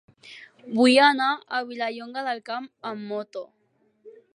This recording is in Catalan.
Vull anar a Vilallonga del Camp amb moto.